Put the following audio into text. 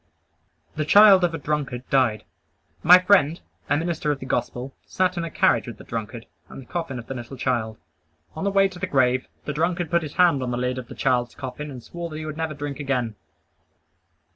The child of a drunkard died. My friend, a minister of the Gospel, sat in a carriage with the drunkard, and the coffin of the little child. On the way to the grave, the drunkard put his hand on the lid of his child's coffin and swore that he never would drink again.